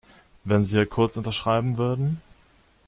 Wenn Sie hier kurz unterschreiben würden.